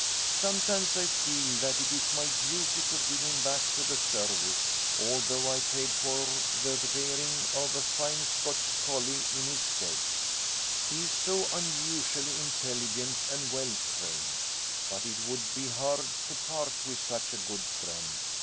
Sometimes I feel that it is my duty to give him back to the service, although I paid for the rearing of a fine Scotch collie in his stead. He is so unusually intelligent and well trained. But it would be hard to part with such a good friend.